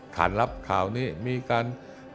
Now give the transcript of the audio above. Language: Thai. ถ่านรับข่าวนี้มีการ